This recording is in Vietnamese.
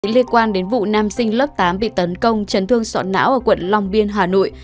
liên quan đến vụ nam sinh lớp tám bị tấn công chấn thương sọ não ở quận long biên hà nội